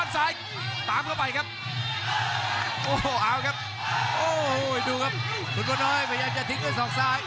มาวันละนอกคนละทีเลยครับ